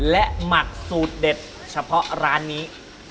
และหมักสูตรเด็ดเฉพาะร้านนี้